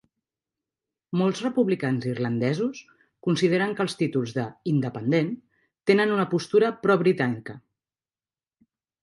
Molts republicans irlandesos consideren que els títols de "Independent" tenen una postura pro-britànica.